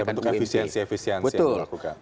bentuk efisiensi efisiensi yang dilakukan